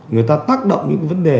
người ta tác động những vấn đề